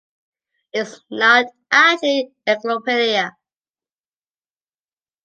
It is not actually an encyclopedia.